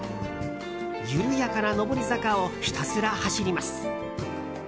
緩やかな上り坂をひたすら走ります。